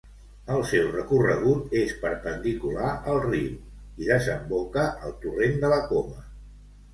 El seu recorregut és perpendicular al riu i desemboca al torrent de la Coma.